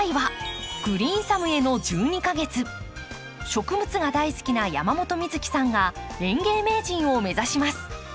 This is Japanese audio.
植物が大好きな山本美月さんが園芸名人を目指します。